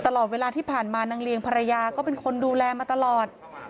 ตลอดเวลาที่ผ่านมานางเลียงภรรยาก็เป็นคนดูแลมาตลอด